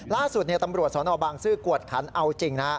ล่าสุดตำรวจสนบางซื่อกวดขันเอาจริงนะ